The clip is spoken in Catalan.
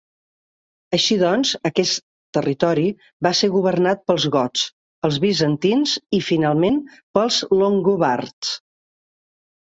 Així doncs, aquest territori va ser governat pels gots, els bizantins i, finalment, pels longobards.